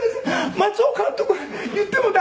「松尾監督が言っても大丈夫」